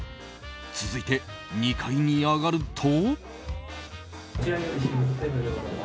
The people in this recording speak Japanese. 続いて２階に上がると。